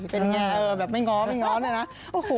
เป็นไงแบบไม่ง้อเลยนะ